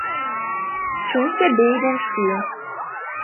З чым сябе і віншую.